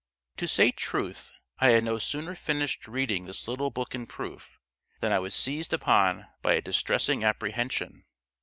To say truth, I had no sooner finished reading this little book in proof, than I was seized upon by a distressing apprehension.